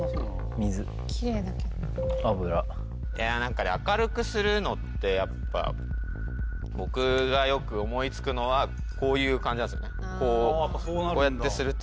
何か明るくするのってやっぱ僕がよく思いつくのはこういう感じなんですよね